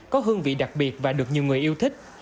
có hương vị đặc biệt và được nhiều người yêu thích